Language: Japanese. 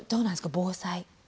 防災。